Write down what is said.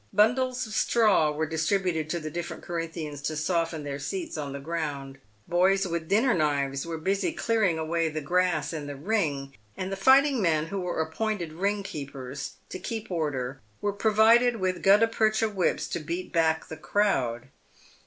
Bundles of straw were distributed to the dif ferent Corinthians to soften their seats on the ground. Boys with dinner knives were busy clearing away the grass in the ring, and the fighting men who were appointed ring keepers, to keep order, were provided with gutta percha whips to beat back the crowd.